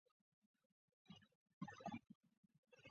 福孔德巴尔瑟洛内特人口变化图示